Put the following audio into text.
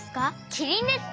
キリンですか？